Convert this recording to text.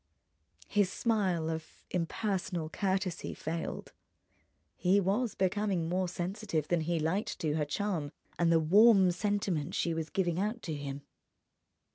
His smile of impersonal courtesy failed. He was becoming more sensitive than he liked to her charm and the warm sentiment she was giving out to him.